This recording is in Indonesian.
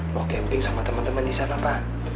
mau camping sama temen temen di sana pa